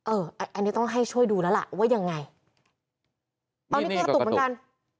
อันนี้ต้องให้ช่วยดูแล้วล่ะว่ายังไงตอนนี้แกกระตุกเหมือนกัน